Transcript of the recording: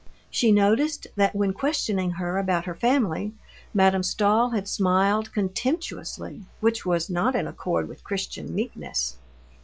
She noticed that when questioning her about her family, Madame Stahl had smiled contemptuously, which was not in accord with Christian meekness.